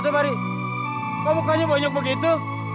bisa mari kau mukanya bonyok begitu